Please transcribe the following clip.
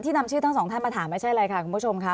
นำชื่อทั้งสองท่านมาถามไม่ใช่อะไรค่ะคุณผู้ชมค่ะ